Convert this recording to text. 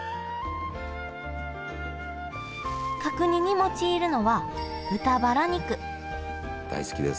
角煮に用いるのは豚バラ肉大好きです。